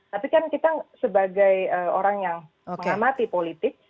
tapi kan kita sebagai orang yang mengamati politik